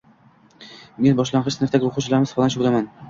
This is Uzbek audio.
Men boshlangʻich sinfdagi oʻquvchingiz falonchi boʻlaman.